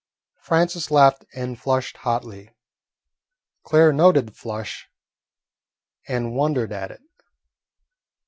Francis laughed and flushed hotly. Claire noted the flush and wondered at it.